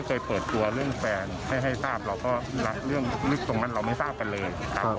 เคยเปิดตัวเรื่องแฟนให้ทราบเราก็เรื่องลึกตรงนั้นเราไม่ทราบกันเลยครับ